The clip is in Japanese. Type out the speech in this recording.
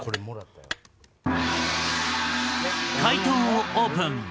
解答をオープン。